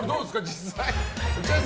実際。